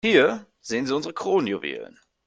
Hier sehen Sie unsere Kronjuwelen.